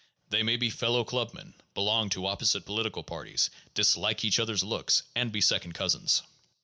They may be fellow clubmen, belong to opposite political parties, dislike each other's looks, and be second cousins.